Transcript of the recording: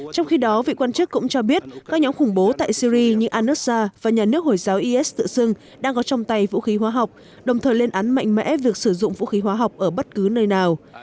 trong khi đó vị quan chức cũng cho biết các nhóm khủng bố tại syri như annussa và nhà nước hồi giáo is tự xưng đang có trong tay vũ khí hóa học đồng thời lên án mạnh mẽ việc sử dụng vũ khí hóa học ở bất cứ nơi nào